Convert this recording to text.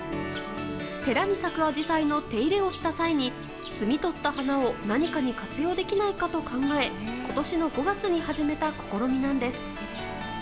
寺に咲くアジサイの手入れをした際に摘み取った花を何かに活用できないかと考え今年の５月に始めた試みなんです。